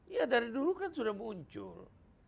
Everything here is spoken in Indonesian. ya dari dulu kan sudah muncul